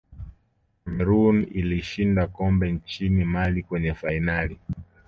cameroon ilishinda kombe nchini mali kwenye fainali